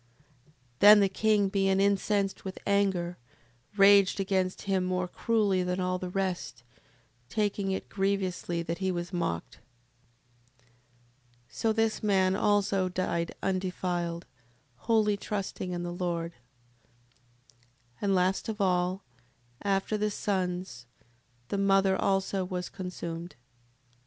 7:39. Then the king being incensed with anger, raged against him more cruelly than all the rest, taking it grievously that he was mocked. 7:40. So this man also died undefiled, wholly trusting in the Lord. 7:41. And last of all, after the sons, the mother also was consumed. 7:42.